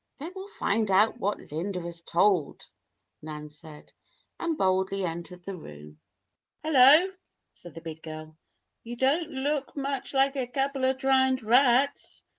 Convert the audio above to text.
"Then we'll find out what Linda has told," Nan said, and boldly entered the room. "Hullo!" said the big girl. "You don't look much like a couple of drowned rats.